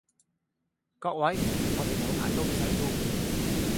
各位，我地有排都唔使 do